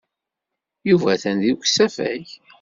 Yuba atan deg usafag.